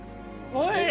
おいしい。